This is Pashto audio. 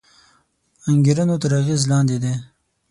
انګېرنو تر اغېز لاندې دی